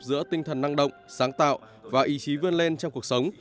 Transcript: giữa tinh thần năng động sáng tạo và ý chí vươn lên trong cuộc sống